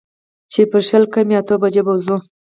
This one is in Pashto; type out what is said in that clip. چې پر شل کمې اتو بجو به وځو.